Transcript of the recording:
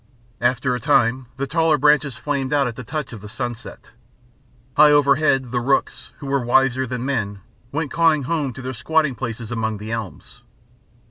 After a time the taller branches flamed out at the touch of the sunset. High overhead the rooks, who were wiser than men, went cawing home to their squatting places among the elms.